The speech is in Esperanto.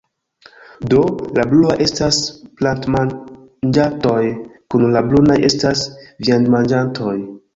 Do, la bluaj estas plantmanĝantoj, kaj la brunaj estas viandmanĝantoj.